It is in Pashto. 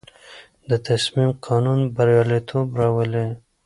د تصمیم قانون بریالیتوب راولي.